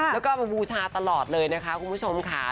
แล้วก็มาบูชาตลอดเลยนะคะคุณผู้ชมค่ะ